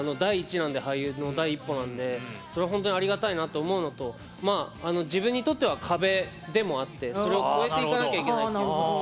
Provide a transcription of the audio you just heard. なんで俳優の第一歩なんでそれはほんとにありがたいなと思うのと自分にとっては壁でもあってそれを越えていかなきゃいけないっていうか。